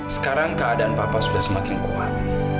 sekarang keadaan papa sudah semakin kuat